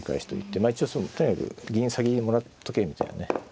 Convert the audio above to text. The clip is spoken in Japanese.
まあ一応とにかく銀先にもらっとけみたいなね。